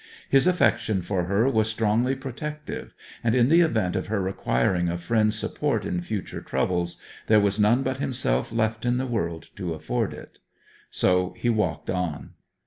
His affection for her was strongly protective, and in the event of her requiring a friend's support in future troubles there was none but himself left in the world to afford it. So he walked on.